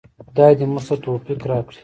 خدای دې موږ ته توفیق راکړي؟